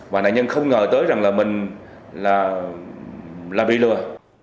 và nạn nhân không ngờ tới rằng là mình là bị lừa